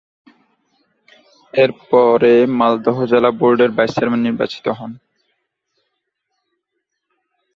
এর পরে মালদহ জেলা বোর্ড এর ভাইস চেয়ারম্যান নির্বাচিত হন।